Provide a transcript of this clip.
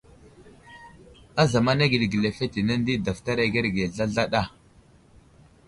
Ázamana geli ge lefetenene di daftar agerge zlazlaɗa.